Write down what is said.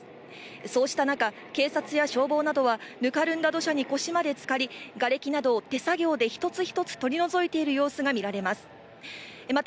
そうした中、警察や消防などは、ぬかるんだ土砂に腰までつかり、がれきなどを手作業で一つ一つ取り除いている様子が見られます。